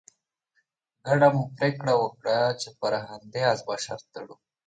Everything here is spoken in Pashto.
په ګډه مو پرېکړه وکړه چې پر همدې اس به شرط تړو.